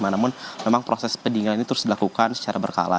namun memang proses pendinginan ini terus dilakukan secara berkala